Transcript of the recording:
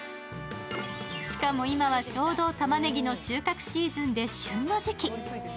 しかも今はちょうどたまねぎの収穫シーズンで旬の時期。